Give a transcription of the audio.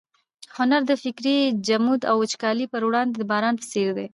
هنر د فکري جمود او وچکالۍ پر وړاندې د باران په څېر دی.